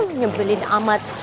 huh nyebelin amat